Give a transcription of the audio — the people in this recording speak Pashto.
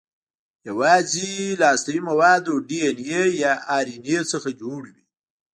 یواځې له هستوي موادو ډي ان اې یا ار ان اې څخه جوړ وي.